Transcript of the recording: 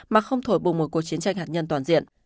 mà không thổi bùng một cuộc chiến tranh hạt nhân toàn diện